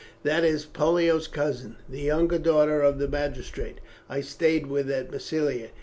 "That is Pollio's cousin, the younger daughter of the magistrate I stayed with at Massilia.